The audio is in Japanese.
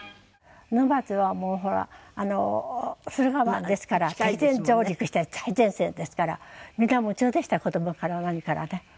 沼津はもうほら駿河湾ですから敵前上陸したら最前線ですから皆夢中でした子どもから何からね。